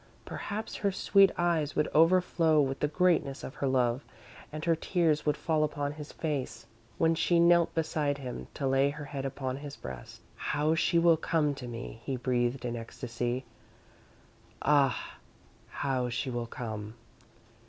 Perhaps her sweet eyes would overflow with the greatness of her love and her tears would fall upon his face when she knelt beside him, to lay her head upon his breast. "How she will come to me!" he breathed, in ecstasy. "Ah, how she will come!"